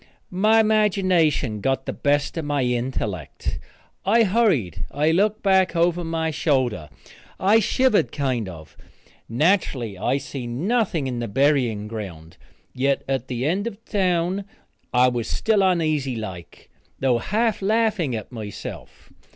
My imagination got the best of my intellect. I hurried. I looked back over my shoulder. I shivered, kind of. Natural I see nothing in the burying ground, yet at the end of town I was still uneasy like, though half laughing at myself.